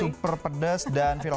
super pedas dan viral